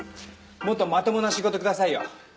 もっとまともな仕事くださいよ。